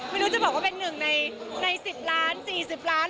ไม่รู้จะบอกว่าเป็นหนึ่งใน๑๐ล้าน๔๐ล้าน